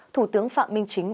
thủ tướng phạm minh chính